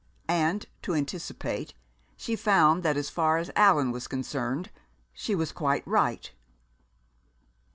And to anticipate she found that as far as Allan was concerned she was quite right.